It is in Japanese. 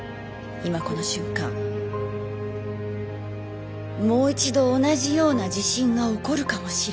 今この瞬間もう一度同じような地震が起こるかもしれない。